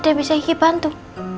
ada yang bisa ikut bantu